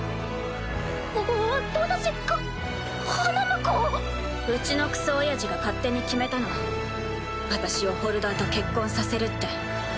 わわ私が花婿⁉うちのクソおやじが勝手に決めたの私をホルダーと結婚させるって。